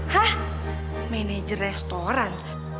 hah manajer restoran